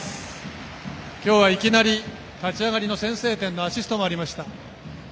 今日はいきなり立ち上がりの先制点のアシストがありました。